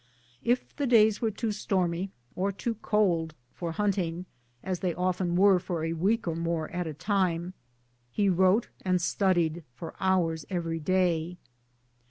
If the days were too stormy or too cold for hunting, as they often were for a week or more at a time, he wrote and studied for hours every day.